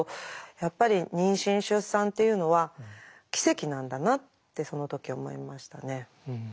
やっぱり妊娠出産っていうのは奇跡なんだなってその時思いましたね。